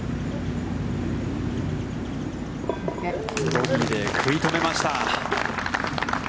ボギーで食い止めました。